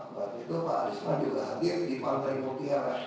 waktu itu pak arisma juga hadir di pantai motiara